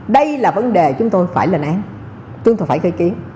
đây là vấn đề chúng tôi phải lên án chúng tôi phải gây kiến